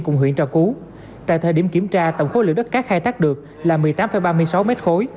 cùng huyện trà cú tại thời điểm kiểm tra tổng khối lượng đất cát khai thác được là một mươi tám ba mươi sáu mét khối